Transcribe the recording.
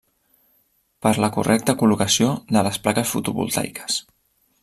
Per la correcta col·locació de les plaques fotovoltaiques.